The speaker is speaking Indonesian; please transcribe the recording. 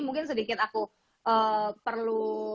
mungkin sedikit aku perlu